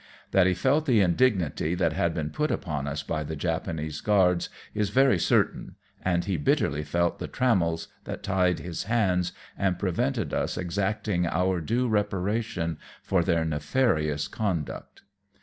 That he felt the indignity that had been put upon us by the Japanese guards, is very certain, and he bitterly felt the trammels that tied his JAPAN OPENED AT LAST. 277 hands, and prevented us exacting our due reparation for their nefarious conduct.